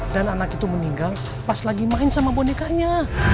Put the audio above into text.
dan anak itu meninggal pas lagi main sama bonekanya